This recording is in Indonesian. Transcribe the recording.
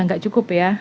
nggak cukup ya